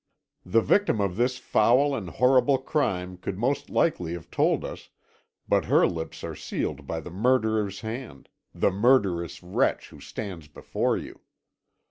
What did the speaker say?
The victim of this foul and horrible crime could most likely have told us, but her lips are sealed by the murderer's hand, the murderous wretch who stands before you.